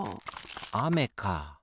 あめか。